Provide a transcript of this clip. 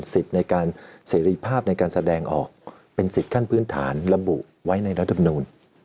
ในการเสรีภาพในการแสดงออกเป็นสิทธิ์ขั้นพื้นฐานระบุไว้ในรัฐมนูล